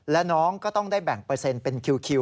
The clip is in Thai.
และน้องก็ต้องได้แบ่งเปอร์เซ็นต์เป็นคิว